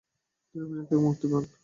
তিনি অভিযোগ থেকে মুক্তি পান।